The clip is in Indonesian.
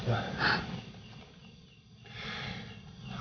itu aku kondisi